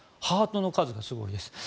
ハートの数がすごいです。